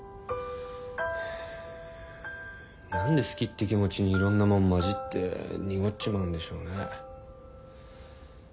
はあ何で好きって気持ちにいろんなもん混じって濁っちまうんでしょうね。